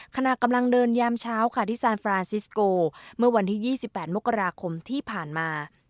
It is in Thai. ขณะกำลังเดินยามเช้าค่ะที่ซานฟรานซิสโกเมื่อวันที่๒๘มกราคมที่ผ่านมา